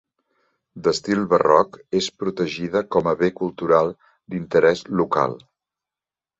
D'estil Barroc és protegida com a bé cultural d'interès local.